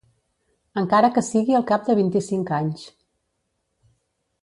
Encara que sigui al cap de vint-i-cinc anys.